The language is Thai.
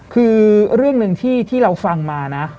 คือเรื่องหนึ่งที่เราฟังมานะ